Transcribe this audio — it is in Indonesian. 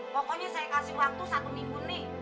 pokoknya saya kasih waktu sampai dia berhenti